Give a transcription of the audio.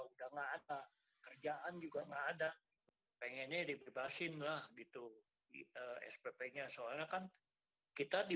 udah nggak ada kerjaan juga nggak ada pengennya dibebasin lah gitu spp nya soalnya kan kita di